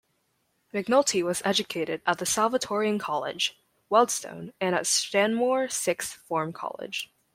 McNulty was educated at the Salvatorian College, Wealdstone and at Stanmore Sixth Form College.